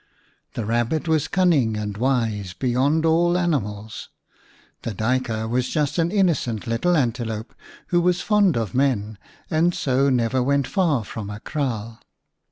The Rabbit was cunning and wise beyond all animals ; the Duyker was just an innocent little antelope, who was fond of men, and so never went far from a kraal.